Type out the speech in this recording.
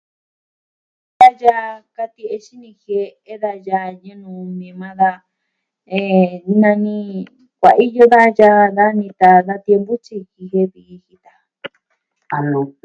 Da yaa katie'e xini jie'e jen da yaa nuu ñuu ni maa da jen... nani kuaiyo da yaa dani ta da tiempu tyi jen ki jie'e viji daja.